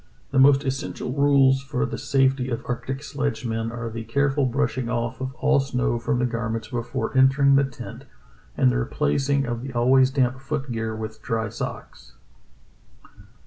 The most essential rules for the safety of arctic sledgemen are the careful brushing of all snow Kane's Rescue of His Shipmates 99 from the garments before entering the tent and the replacing of the always damp foot gear with dry socks.